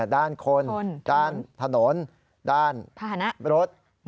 ด้านคนด้านถนนด้านรถ